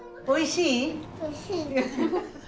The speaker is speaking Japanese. おいしい。